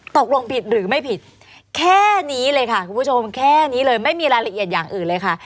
ตกลงผิดหรือไม่ผิดแค่นี้เลยค่ะคุณผู้ชมแค่นี้เลยไม่มีรายละเอียดอย่างอื่นเลยค่ะ